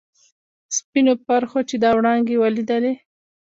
سپینو پرخو چې دا وړانګې ولیدلي.